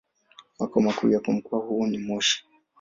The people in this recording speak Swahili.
Makao makuu ya mkoa huu ni Moshi.